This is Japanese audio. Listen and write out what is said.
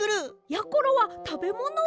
やころはたべものを。